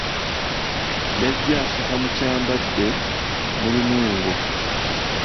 Yajja aseka mu Kyambadde mulimu engo.